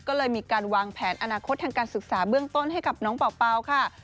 ก็เลยมีการวางแผนอนาคตทางการศึกษาเบื้องต้นให้กับน้องเป่าค่ะ